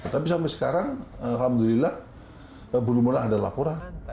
tapi sampai sekarang alhamdulillah belum pernah ada laporan